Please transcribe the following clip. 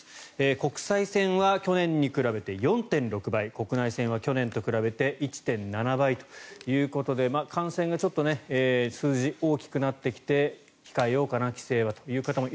国際線は去年に比べて４．６倍国内線は去年と比べて１．７倍ということで感染がちょっと数字が大きくなってきて控えようかな、帰省はという方も